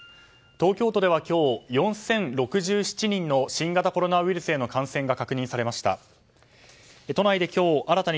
東京都では今日４０６７人の新型コロナウイルスへの感染が確認されました。